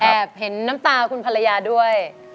เห็นน้ำตาคุณภรรยาด้วย